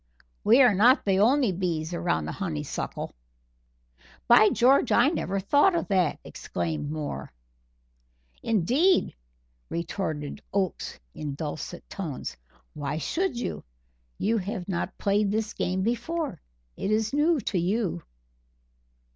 We are not the only bees around the honeysuckle." "By George! I never thought of that," exclaimed Moore. "Indeed!" retorted Oakes in dulcet tones. "Why should you? You have not played this game before it is new to you."